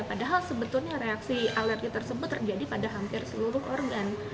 padahal sebetulnya reaksi alergi tersebut terjadi pada hampir seluruh organ